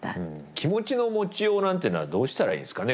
気持ちの持ちようなんてのはどうしたらいいんですかね？